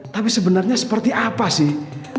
tapi sebenarnya seperti apa sih